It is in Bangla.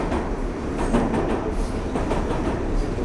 আমার নাম রাজনি, আপনি আমাকে ছোটি বলে ডাকতে পারেন।